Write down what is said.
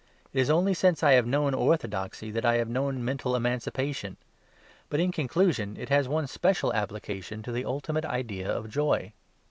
It is only since I have known orthodoxy that I have known mental emancipation. But, in conclusion, it has one special application to the ultimate idea of joy.